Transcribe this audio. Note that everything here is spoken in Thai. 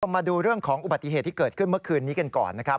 มาดูเรื่องของอุบัติเหตุที่เกิดขึ้นเมื่อคืนนี้กันก่อนนะครับ